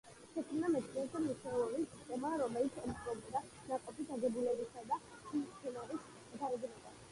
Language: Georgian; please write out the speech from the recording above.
შექმნა მცენარეთა მისეული სისტემა, რომელიც ემყარებოდა ნაყოფის აგებულებასა და მცენარის გარეგნობას.